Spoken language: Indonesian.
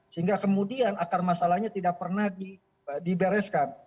sehingga kemudian akar masalahnya tidak pernah dibereskan